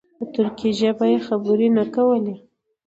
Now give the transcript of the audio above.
په ترکي ژبه یې خبرې نه کولې.